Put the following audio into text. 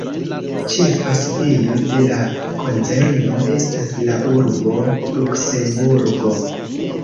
Ĉefa sidejo de la konzerno estas la urbo Luksemburgo.